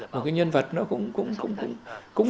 một cái nhân vật nó cũng